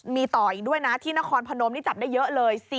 มีต่ออีกด้วยนะที่นครพนมนี่จับได้เยอะเลย